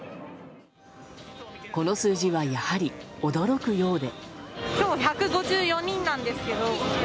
この数字はやはり驚くようで。